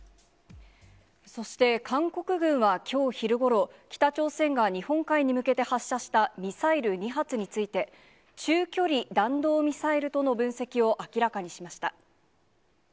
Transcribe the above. そして、韓国軍はきょう昼ごろ、北朝鮮が日本海に向けて発射したミサイル２発について、中距離弾道ミサイルとの分析を明らかにしました。